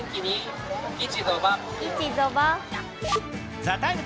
「ＴＨＥＴＩＭＥ，」